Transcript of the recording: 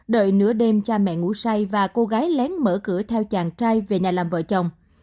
đợi nửa đêm cha mẹ ngủ say và cô gái lén mở cửa theo chàng trai về nhà làm vợ chồng